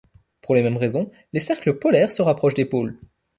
Pour les mêmes raisons, les cercles polaires se rapprochent des pôles.